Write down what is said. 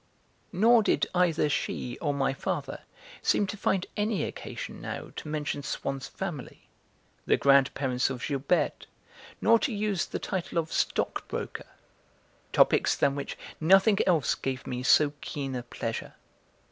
Nor did either she or my father seem to find any occasion now to mention Swann's family, the grandparents of Gilberte, nor to use the title of stockbroker, topics than which nothing else gave me so keen a pleasure.